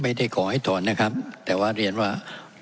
ไม่ได้ขอให้ถอนนะครับแต่ว่าเรียนว่า